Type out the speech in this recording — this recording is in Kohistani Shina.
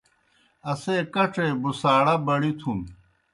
اسے کڇے بُھساڑا بڑِتُھن۔